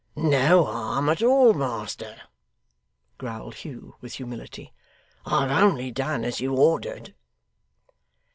'No harm at all, master,' growled Hugh, with humility. 'I have only done as you ordered.